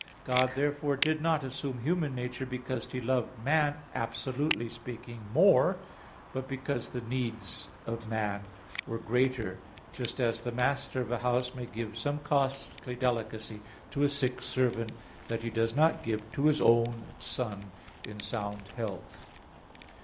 God therefore did not assume human nature because He loved man, absolutely speaking, more; but because the needs of man were greater; just as the master of a house may give some costly delicacy to a sick servant, that he does not give to his own son in sound health.